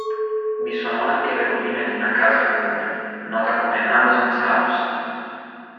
Vi sono anche le rovine di una casa comune, nota come 'Amazon's House'.